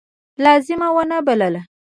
لازمه ونه بلله.